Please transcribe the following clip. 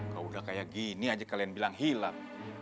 kalau udah kayak gini aja kalian bilang hilang